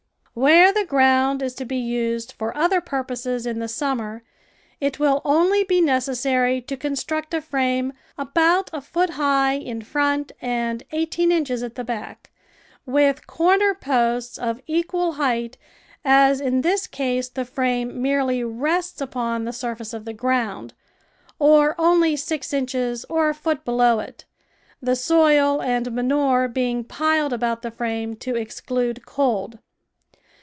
Where the ground is to be used for other pur poses in the summer it will only be necessary to construct a frame about a foot high in front and eighteen inches at the back, with corner posts of equal height, as in this case the frame merely rests THE VEGETABLE GARDEN upon the surface of the ground, or only six inches or a foot below it, the soil and manure being piled about the frame to exclude cold.